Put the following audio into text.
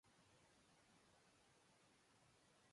كيف رحت لهونيك ؟